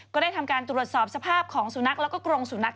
ก็ได้ทำการตรวจสอบสภาพของสุนัขแล้วก็กรงสุนัข